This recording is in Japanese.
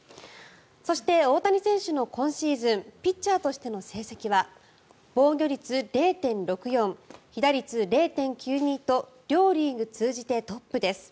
そして、大谷選手の今シーズンピッチャーとしての成績は防御率、０．６４被打率、０．９２と両リーグ通じてトップです。